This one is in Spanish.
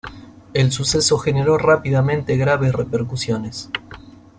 El suceso generó rápidamente graves repercusiones.